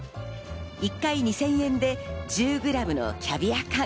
１回２０００円で１０ｇのキャビア缶。